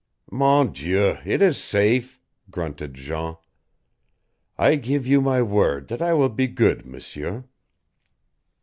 "Mon Dieu, it is safe," grunted Jean. "I give you my word that I will be good, M'seur."